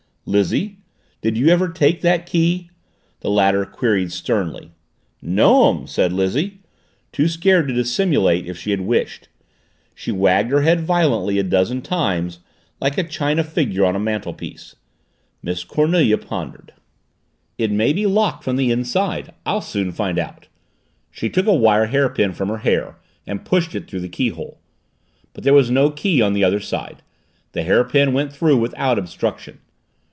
"Lizzie, did you ever take that key?" the latter queried sternly. "No'm," said Lizzie, too scared to dissimulate if she had wished. She wagged her head violently a dozen times, like a china figure on a mantelpiece. Miss Cornelia pondered. "It may be locked from the inside; I'll soon find out." She took a wire hairpin from her hair and pushed it through the keyhole. But there was no key on the other side; the hairpin went through without obstruction.